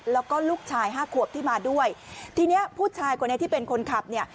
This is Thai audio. แล้วก็ลูกชายห้าขวบที่มาด้วยทีเนี้ยผู้ชายคนนี้ที่เป็นคนขับเนี่ย